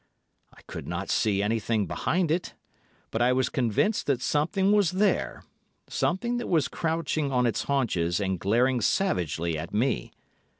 I could not see anything behind it, but I was convinced that something was there, something that was crouching on its haunches and glaring savagely at me.